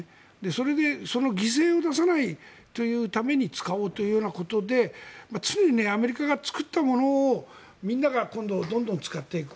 それでその犠牲を出さないというために使おうということで常にアメリカが作ったものをみんなが今度どんどん使っていく。